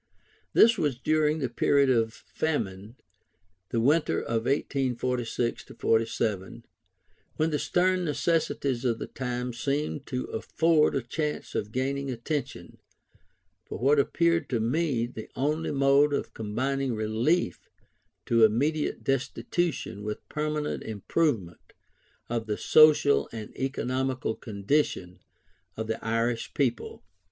This was during the period of the Famine, the winter of 1846 47, when the stern necessities of the time seemed to afford a chance of gaining attention for what appeared to me the only mode of combining relief to immediate destitution with permanent improvement of the social and economical condition of the Irish people.